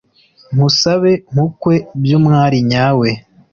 Nkusabe nkukwe by’umwari nyawe